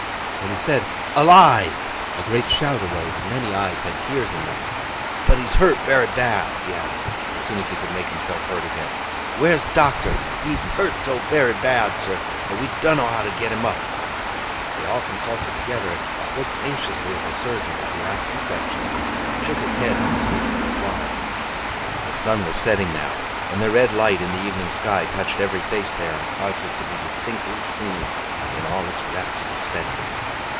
When he said 'Alive!' a great shout arose and many eyes had tears in them. 'But he's hurt very bad,' he added, as soon as he could make himself heard again. 'Where's doctor? He's hurt so very bad, sir, that we donno how to get him up.' They all consulted together, and looked anxiously at the surgeon, as he asked some questions, and shook his head on receiving the replies. The sun was setting now; and the red light in the evening sky touched every face there, and caused it to be distinctly seen in all its rapt suspense.